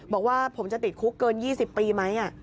บอกว่าผมจะติดคุกเกิน๒๐ปีไหม